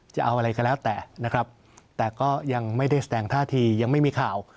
จะเอาอะไรก็แล้วแต่นะครับแต่ก็ยังไม่ได้แสดงท่าทียังไม่มีข่าว